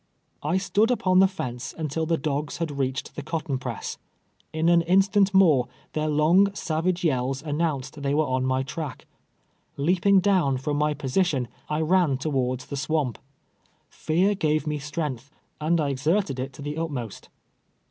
I stood upon the fence nntil the dogs had reached tlie cotton press. In an instant more, their long, sav age yells aimounced they were on my track. Leap ing down from my position, I ran towards the swamp. Fear gave me strength, and I exerted it to the ntmost.